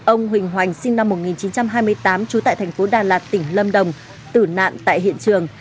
ông huỳnh hoành sinh năm một nghìn chín trăm hai mươi tám chú tại tp đà lạt tỉnh lâm đồng tử nạn tại hiện trường